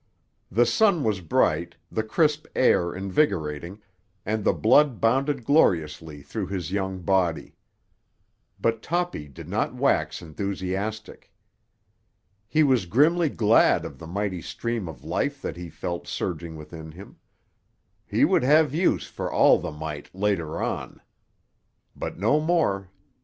The sun was bright, the crisp air invigorating, and the blood bounded gloriously through his young body. But Toppy did not wax enthusiastic. He was grimly glad of the mighty stream of life that he felt surging within him; he would have use for all the might later on. But no more.